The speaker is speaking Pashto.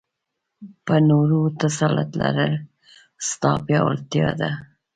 په نورو تسلط لرل؛ ستا پياوړتيا ده.